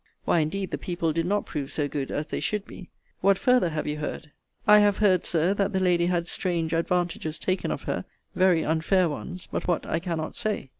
Why, indeed, the people did not prove so good as they should be. What farther have you heard? I have heard, Sir, that the lady had strange advantages taken of her, very unfair ones: but what I cannot say.